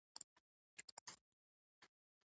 له هغه چې په ښه او بد پوهېدلی یم.